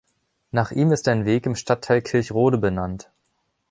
Nach ihm ist ein Weg im Stadtteil Kirchrode benannt.